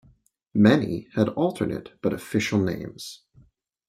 Many had alternate but official names.